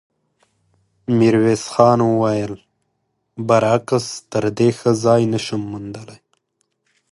ميرويس خان وويل: برعکس، تر دې ښه ځای نه شم موندلی.